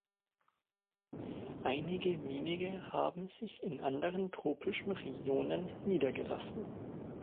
Einige wenige haben sich in anderen tropischen Regionen niedergelassen.